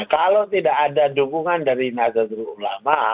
kalau tidak ada dukungan dari nazarul ulama